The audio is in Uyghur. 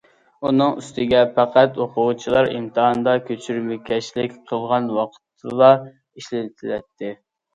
ئۇنىڭ ئۈستىگە پەقەت ئوقۇغۇچىلار ئىمتىھاندا كۆچۈرمىكەشلىك قىلغان ۋاقىتتىلا ئىشلىتىلەتتى.